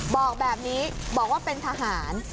บอกแบบนี้บอกว่าเป็นทหาร